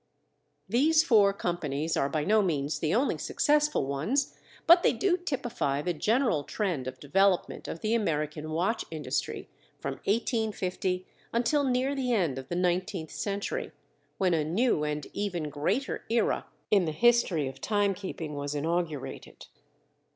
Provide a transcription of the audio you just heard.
These four companies are by no means the only successful ones, but they do typify the general trend of development of the American watch industry from 1850 until near the end of the nineteenth century, when a new and even greater era in the history of timekeeping was inaugurated.